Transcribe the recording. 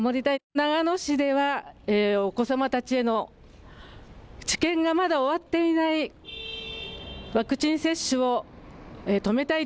長野市では、お子様たちへの治験がまだ終わっていないワクチン接種を止めたい。